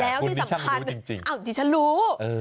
แล้วที่สำคัญคุณนี่ฉันรู้จริงจริงอ้าวฉันรู้เออ